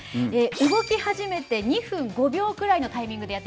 動き始めて２分５秒くらいのタイミングでやって来ます。